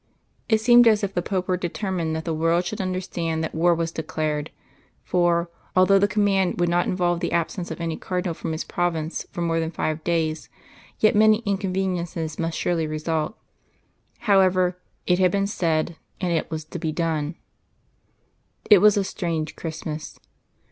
It seemed as if the Pope were determined that the world should understand that war was declared; for, although the command would not involve the absence of any Cardinal from his province for more than five days, yet many inconveniences must surely result. However, it had been said, and it was to be done. It was a strange Christmas.